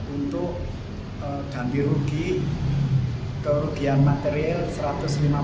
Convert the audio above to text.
untuk ganti rugi kerugian material rp seratus juta